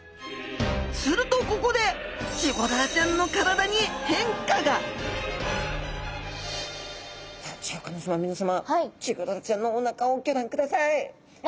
するとここでチゴダラちゃんのさあシャーク香音さま皆さまチゴダラちゃんのおなかをギョ覧ください。